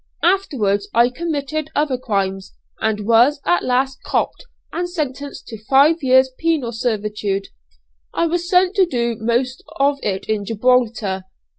Afterwards I committed other crimes, and was at last copt and sentenced to five years' penal servitude. I was sent to do most of it at Gibraltar.